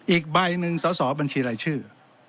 อีกใบหนึ่งสอสอบัญชีรายชื่อ